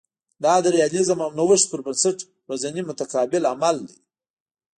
دا د ریالیزم او نوښت پر بنسټ ورځنی متقابل عمل دی